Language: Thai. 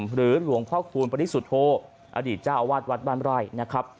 หรือหลวงพระคุณปริศุโธอดีตเจ้าวัดวัดบรรไลนะครับ